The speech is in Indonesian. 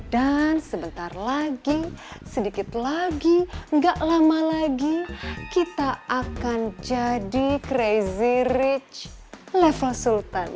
dan sebentar lagi sedikit lagi nggak lama lagi kita akan jadi crazy rich level sultan